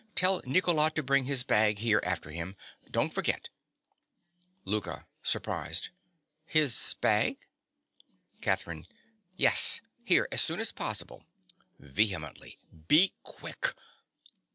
Tell Nicola to bring his bag here after him. Don't forget. LOUKA. (surprised). His bag? CATHERINE. Yes, here, as soon as possible. (Vehemently.) Be quick!